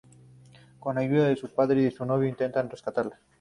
Con ayuda de su padre y su novio intentarán rescatarla.